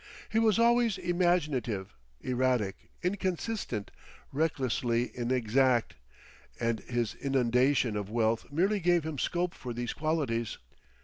He was always imaginative, erratic, inconsistent, recklessly inexact, and his inundation of wealth merely gave him scope for these qualities.